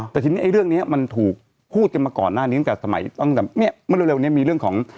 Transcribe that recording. แต่ทีนี้ไอ้เรื่องนี้มันถูกพูดกันมาก่อนหน้านี้ตั้งแต่สมัยตั้งแต่เนี่ยเมื่อเร็วนี้มีเรื่องของ